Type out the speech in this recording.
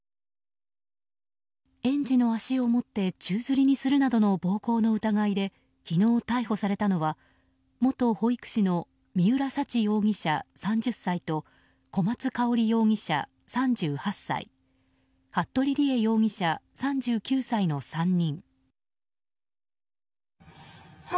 園児の足を持って宙づりにするなどの暴行の疑いで昨日逮捕されたのは元保育士の三浦沙知容疑者、３０歳と小松香織容疑者、３８歳服部理江容疑者、３９歳の３人。